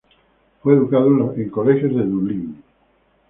Fue educado en colegios de Dublín.